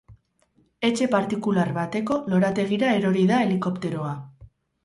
Etxe partikular bateko lorategira erori da helikopteroa.